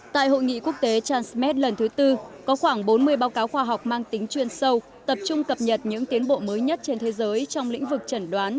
tại hội nghị quốc tế transmed lần thứ tư có khoảng bốn mươi báo cáo khoa học mang tính chuyên sâu tập trung cập nhật những tiến bộ mới nhất trên thế giới trong lĩnh vực trần đoán